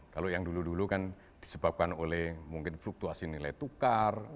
kalau yang dulu dulu kan disebabkan oleh mungkin fluktuasi nilai tukar